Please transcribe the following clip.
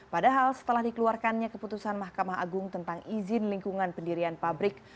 padahal setelah dikeluarkannya keputusan mahkamah agung tentang izin lingkungan pendirian pabrik